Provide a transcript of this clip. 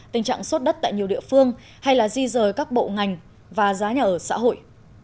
tình trạng sốt đất tại nhiều địa phương hay là di rời các bộ ngành và giá nhà ở xã hội